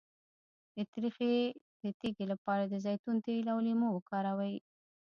د تریخي د تیږې لپاره د زیتون تېل او لیمو وکاروئ